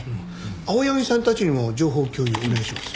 青柳さんたちにも情報共有お願いします。